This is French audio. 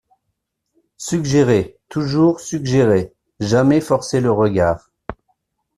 Suggérer toujours suggérer, jamais forcer le regard.